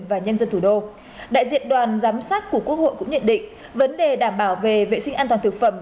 và nhân dân thủ đô đại diện đoàn giám sát của quốc hội cũng nhận định vấn đề đảm bảo về vệ sinh an toàn thực phẩm